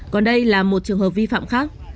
còn đây là một trường hợp vi phạm khác